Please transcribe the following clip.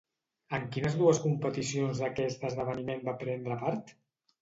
En quines dues competicions d'aquest esdeveniment va prendre part?